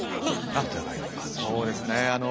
あっそうですねあの。